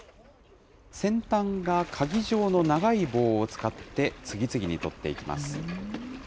先端がかぎ状の長い棒を使って、次々に取っていきます。